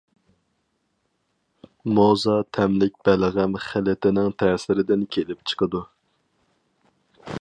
موزا تەملىك بەلغەم خىلىتىنىڭ تەسىرىدىن كېلىپ چىقىدۇ.